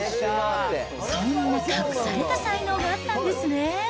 そんな隠された才能があったんですね。